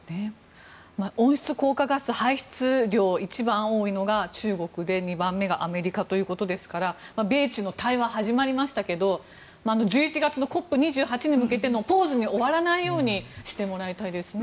温室効果ガス排出量一番多いのが中国で２番目がアメリカということですから米中の対話、始まりましたが１１月のＣＯＰ２８に向けてのポーズに終わらないようにしてもらいたいですね。